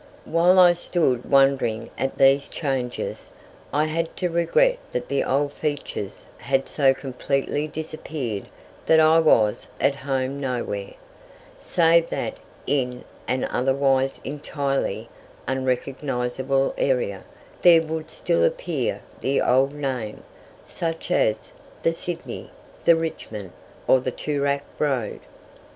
While I stood wondering at these changes, I had to regret that the old features had so completely disappeared that I was at home nowhere, save that in an otherwise entirely unrecognizable area there would still appear the old name, such as the Sydney, the Richmond, or the Toorak Road.